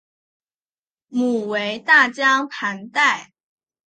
母为大江磐代。